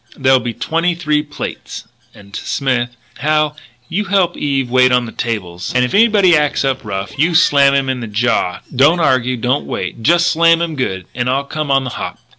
"There'll be twenty three plates." And to Smith: "Hal you help Eve wait on the table. And if anybody acts up rough you slam him on the jaw don't argue, don't wait just slam him good, and I'll come on the hop."